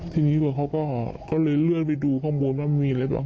ทีนี้เขาก็เลยเลือกไปดูข้างบนว่ามีอะไรบ้าง